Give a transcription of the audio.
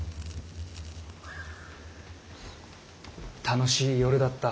楽しい夜だった。